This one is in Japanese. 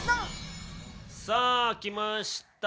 さあきました。